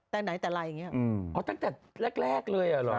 แต่ไหนแต่ไรอย่างนี้อ๋อตั้งแต่แรกเลยอ่ะเหรอ